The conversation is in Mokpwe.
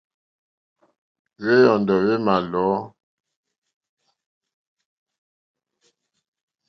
Wé yɔ́ndɔ̀ wé mà lɔ̌.